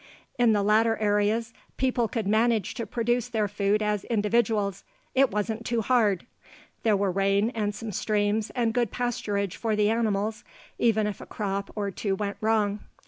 In the latter areas, people could manage to produce their food as individuals. It wasn't too hard; there were rain and some streams, and good pasturage for the animals even if a crop or two went wrong.